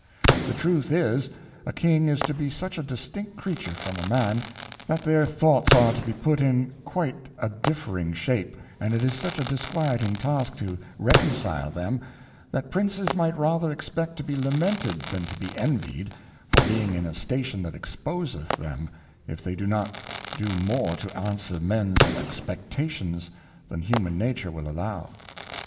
The truth is, a King is to be such a distinct Creature from a Man, that their Thoughts are to be put in quite a differing Shape, and it is such a disquieting task to reconcile them, that Princes might rather expect to be lamented than to be envied, for being in a Station that exposeth them, if they do not do more to answer Mens Expectations than human Nature will allow.